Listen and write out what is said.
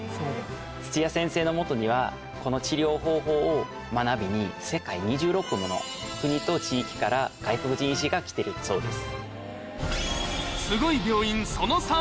土屋先生のもとにはこの治療方法を学びに世界２６もの国と地域から外国人医師が来てるそうです。